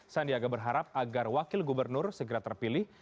sandiaga berharap agar wakil gubernur segera terpilih